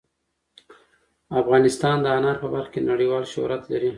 افغانستان د انار په برخه کې نړیوال شهرت لري.